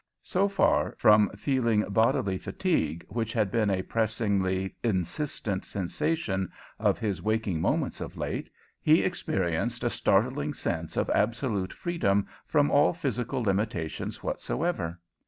So far from feeling bodily fatigue, which had been a pressingly insistent sensation of his waking moments of late, he experienced a startling sense of absolute freedom from all physical limitation whatsoever.